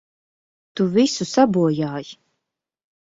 Tu visu sabojāji!